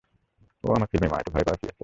ওহ, আমার ফিল্মি মা, এতে ভয় পাওয়ার কী আছে?